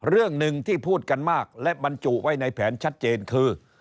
เรื่องหนึ่งที่พูดกันมากและบรรจุไว้ในแผนชัดเจนคือ